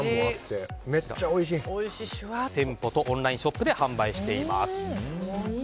店舗とオンラインショップで販売しています。